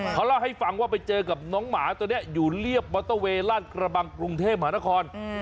เขาเล่าให้ฟังว่าไปเจอกับน้องหมาตัวนี้อยู่เรียบมอเตอร์เวย์ลาดกระบังกรุงเทพมหานคร